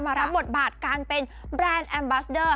รับบทบาทการเป็นแบรนด์แอมบัสเดอร์